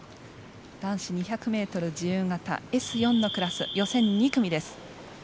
男子２００ｍ自由形Ｓ４のクラス予選２組です。